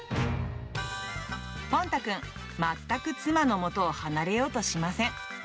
ぽん太くん、全く妻の元を離れようとしません。